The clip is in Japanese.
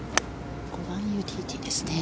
５番ユーティリティーですね。